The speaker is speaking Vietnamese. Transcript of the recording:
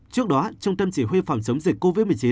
trước đó trung tâm chỉ huy phòng chống dịch covid một mươi chín